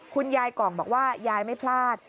คุณยายกล่องบอกว่ายายไม่พลาด